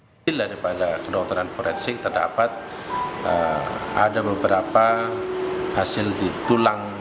hasil daripada kedokteran forensik terdapat ada beberapa hasil di tulang